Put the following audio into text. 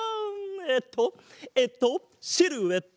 えっとえっとシルエット！